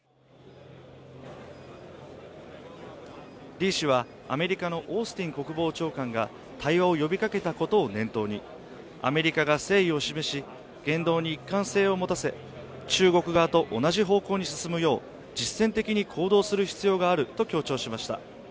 李氏はアメリカのオースティン国防長官が対話を呼びかけたことを念頭に、アメリカが誠意を示し、言動に一貫性を持たせ中国側と同じ方向に進むよう実践的に行動する必要があると強調しました。